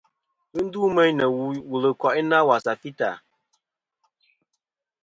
Ghɨ ndu meyn nɨ̀ wul ɨ ko'inɨ a wasà fità.